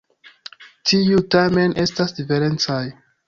Tiuj tamen estas diferencaj.